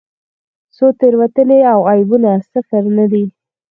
خو تېروتنې او عیبونه صفر نه دي.